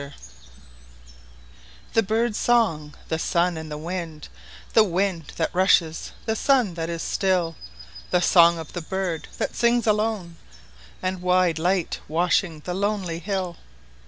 html THE BIRD'S song, the sun, and the wind—The wind that rushes, the sun that is still, The song of the bird that sings alone, And wide light washing the lonely hill!